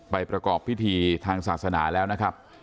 ประกอบพิธีทางศาสนาแล้วนะครับ